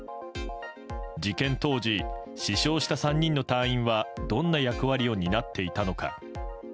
事件当時、死傷した３人の隊員はどんな役割を担っていたのか。